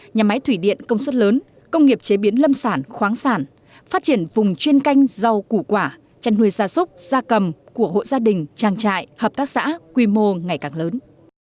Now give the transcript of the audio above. nhà máy thủy điện công suất lớn công nghiệp chế biến lâm sản khoáng sản phát triển vùng chuyên canh rau củ quả chăn nuôi gia súc gia cầm của hộ gia đình trang trại hợp tác xã quy mô ngày càng lớn